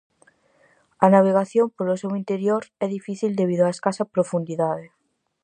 A navegación polo seu interior é difícil debido á escasa profundidade.